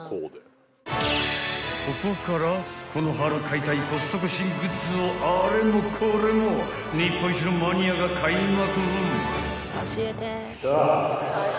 ［ここからこの春買いたいコストコ新グッズをあれもこれも日本一のマニアが買いまくる］